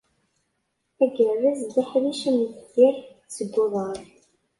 Agerz d aḥric amdeffir seg uḍar.